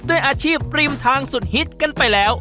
ด้วยอาชีพริมทางสุดฮิตกันไปแล้ว